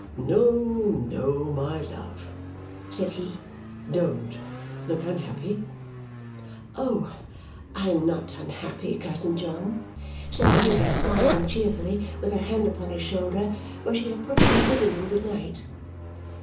"No, no, my love," said he. "Don't look unhappy." "Oh, I am not unhappy, cousin John!" said Ada, smiling cheerfully, with her hand upon his shoulder, where she had put it in bidding him good night.